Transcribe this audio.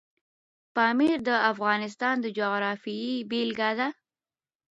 پامیر د افغانستان د جغرافیې بېلګه ده.